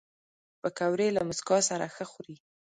پکورې له موسکا سره ښه خوري